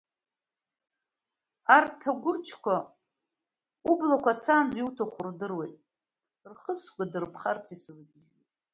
Арҭ агәырџьқәа убла қәацаанӡа иуҭаху рдыруеит, рхы сгәадырԥхарц исывагьежьуеит…